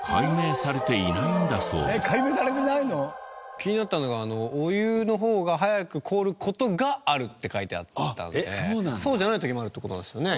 気になったのがお湯の方が早く凍る事があるって書いてあったのでそうじゃない時もあるって事なんですよね？